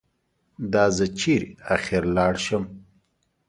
دا زه چېرې اخر لاړ شم؟